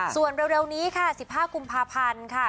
ส่วนเร็วนี้ค่ะ๑๕กุมภาพันธ์ค่ะ